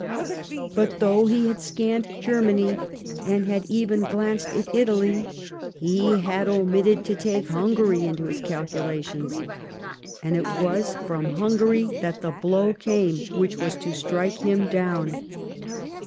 But, though he had scanned Germany, and had even glanced at Italy, he had omitted to take Hungary into his calculations, and it was from Jlungary that the blow came which was to strike him down.